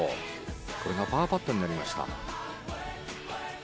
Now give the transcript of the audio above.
これがパーパットになりました。